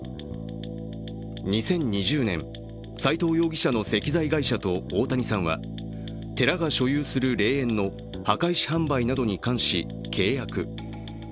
２０２０年、斉藤容疑者の石材会社と大谷さんは寺が所有する霊園の墓石販売などに関し契約。